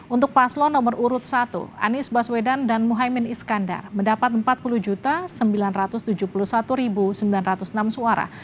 untuk paslon nomor urut satu anies baswedan dan muhaymin iskandar mendapat empat puluh sembilan ratus tujuh puluh satu sembilan ratus enam suara